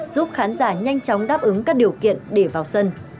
giúp khán giả nhanh chóng đáp ứng các điều kiện để vào sân